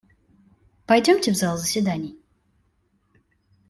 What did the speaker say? Пойдемте в зал заседаний.